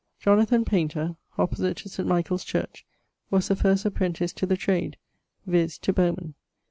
Jonathan Paynter, opposite to St. Michael's Church, was the first apprentice to the trade, viz. to Bowman.